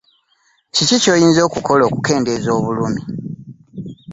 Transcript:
Kiki kyoyinza okukola okukendeeza obulumi?